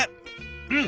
うん。